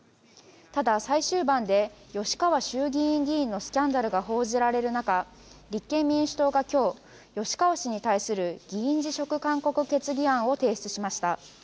ただ、最終盤で吉川衆議院議員のスキャンダルが報じられる中立憲民主党が今日吉川氏に対する議員辞職勧告決議案を提出しました。